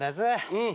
うん。